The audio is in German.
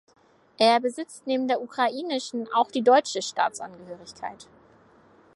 Er besitzt neben der ukrainischen auch die deutsche Staatsangehörigkeit.